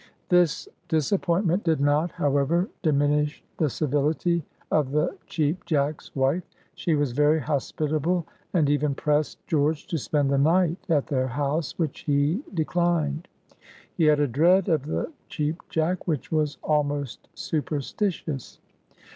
This disappointment did not, however, diminish the civility of the Cheap Jack's wife. She was very hospitable, and even pressed George to spend the night at their house, which he declined. He had a dread of the Cheap Jack, which was almost superstitious.